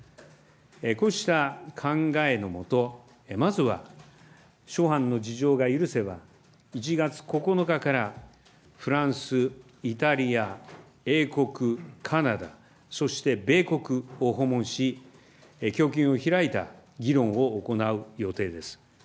こうした考えの下、まずは諸般の事情が許せば、１月９日から、フランス、イタリア、英国、カナダ、そして米国を訪問し、胸襟を開いた議論を行う予定です。